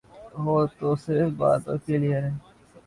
ہم تو صرف باتوں کیلئے رہ گئے ہیں۔